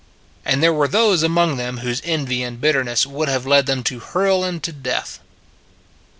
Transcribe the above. And there were those among them whose envy and bitterness would have led them to hurl Him to death.